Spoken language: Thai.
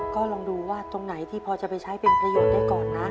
ก็ลองดูว่าตรงไหนที่พอจะไปใช้เป็นประโยชน์ได้ก่อนนะ